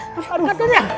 aduh angkat dong ya